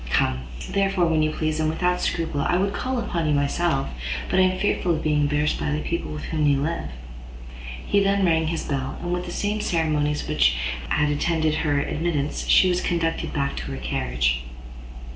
Come, therefore, when you please, and without scruple. I would call upon you myself, but am fearful of being embarrassed by the people with whom you live." He then rang his bell, and with the same ceremonies which had attended her admittance, she was conducted back to her carriage.